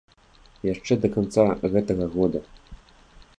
Яшчэ да канца гэтага года.